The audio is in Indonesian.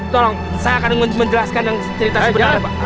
tolong saya akan menjelaskan cerita sebenarnya pak